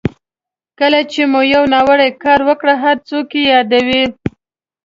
کله چې مو یو ناوړه کار وکړ هر څوک یې یادوي.